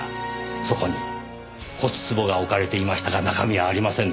そこに骨壺が置かれていましたが中身はありませんでした。